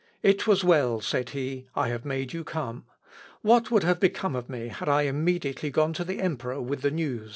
"It was well," said he, "I made you come. What would have become of me had I immediately gone to the emperor with the news?"